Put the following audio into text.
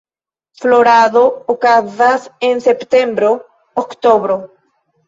Florado okazas en septembro–oktobro.